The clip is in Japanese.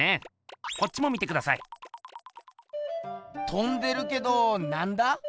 とんでるけどなんだ？